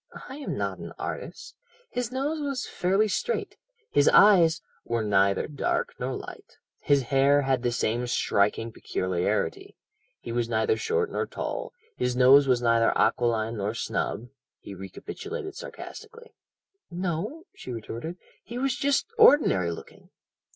"I am not an artist. His nose was fairly straight his eyes " "Were neither dark nor light his hair had the same striking peculiarity he was neither short nor tall his nose was neither aquiline nor snub " he recapitulated sarcastically. "No," she retorted; "he was just ordinary looking."